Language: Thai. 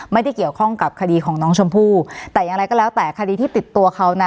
ไม่ได้เกี่ยวข้องกับคดีของน้องชมพู่แต่อย่างไรก็แล้วแต่คดีที่ติดตัวเขานะ